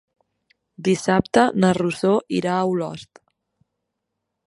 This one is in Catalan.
Dissabte na Rosó irà a Olost.